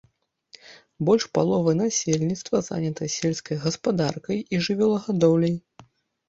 Больш паловы насельніцтва занята сельскай гаспадаркай і жывёлагадоўляй.